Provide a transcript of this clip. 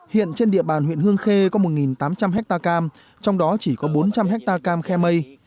hiện trên địa bàn huyện hương khê có một tám trăm linh hectare cam trong đó chỉ có bốn trăm linh hectare cam khe mây